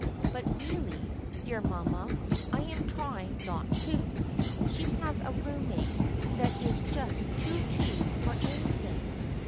But really, dear mamma, I am trying not to. She has a room mate that is just too too for anything.